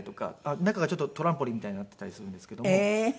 中がちょっとトランポリンみたいになっていたりするんですけども。